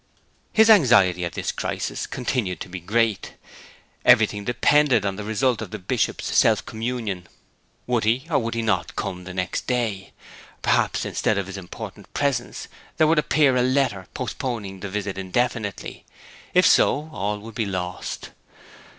His anxiety at this crisis continued to be great. Everything depended on the result of the Bishop's self communion. Would he or would he not come the next day? Perhaps instead of his important presence there would appear a letter postponing the visit indefinitely. If so, all would be lost.